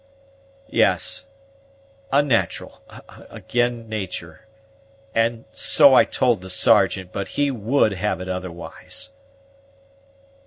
"Yes, unnat'ral ag'in natur'; and so I told the Sergeant, but he would have it otherwise."